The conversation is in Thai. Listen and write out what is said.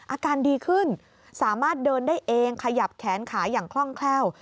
อาการดีขึ้นสามารถเดินได้เองขยับแขนขาอย่างคล่องแคล่ว